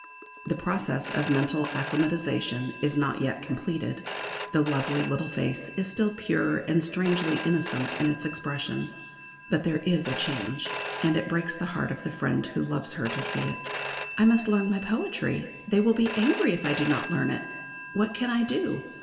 The process of mental acclimatisation is not yet completed, the lovely little face is still pure and strangely innocent in its expression; but there is a change, and it breaks the heart of the friend who loves her to see it. "I must learn my poetry. They will be angry if I do not learn it. What can I do?"